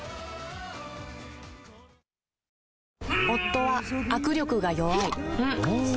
夫は握力が弱い